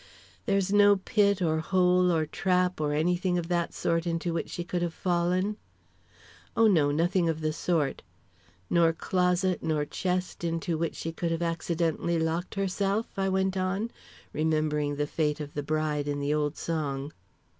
"There's no pit or hole or trap or anything of that sort into which she could have fallen?" "Oh, no; nothing of the sort." "Nor closet nor chest into which she could have accidentally locked herself?" I went on, remembering the fate of the bride in the old song.